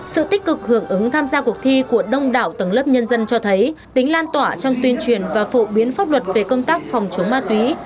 sự tích cực hưởng ứng tham gia cuộc thi của đông đảo tầng lớp nhân dân cho thấy tính lan tỏa trong tuyên truyền và phổ biến pháp luật về công tác phòng chống ma túy